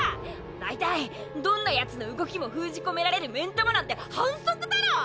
だいたいどんなヤツの動きも封じ込められる目ん玉なんて反則だろ！